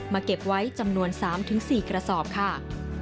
เก็บไว้จำนวน๓๔กระสอบค่ะ